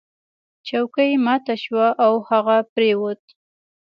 چوکۍ ماته شوه او هغه پریوت.